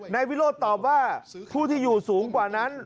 นายวิโรธตอบว่าผู้ที่อยู่สูงกว่านั้น